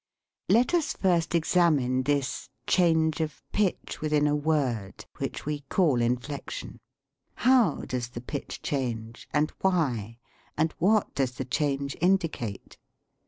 Let us first examine this "change of pitch within a word" which we call inflection.' How does the pitch change, and why, and what does the change indicate?